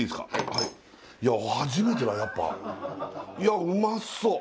はいいや初めてだやっぱいやうまそう